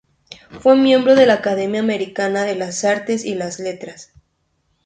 Fue miembro de la Academia Americana de las Artes y las Letras.